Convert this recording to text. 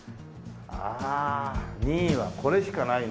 ああ２位はこれしかないな。